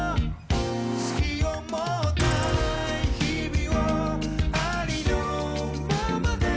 「“好き”を持った日々をありのままで」